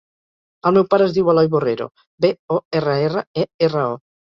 El meu pare es diu Eloy Borrero: be, o, erra, erra, e, erra, o.